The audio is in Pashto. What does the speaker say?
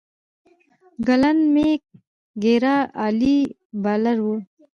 ګلن میک ګرا عالي بالر وو.